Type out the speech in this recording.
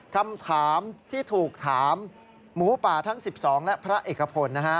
คำถามที่ถูกถามหมูป่าทั้ง๑๒และพระเอกพลนะฮะ